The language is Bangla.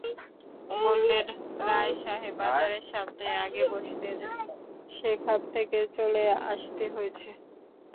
বললেন, রায়সাহেব বাজারের সামনে আগে বসতেন, সেখান থেকে চলে আসতে হয়েছে।